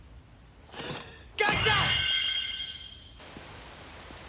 ガッチャ！